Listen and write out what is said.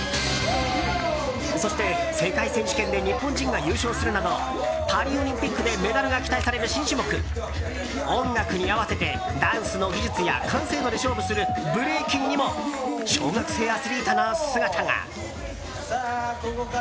そして、世界選手権で日本人が優勝するなどパリオリンピックでメダルが期待される新種目音楽に合わせてダンスの技術や完成度で勝負するブレイキンにも小学生アスリートの姿が。